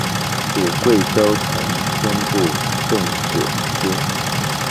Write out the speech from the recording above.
属贵州承宣布政使司。